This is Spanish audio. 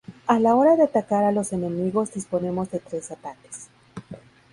A la hora de atacar a los enemigos disponemos de tres ataques.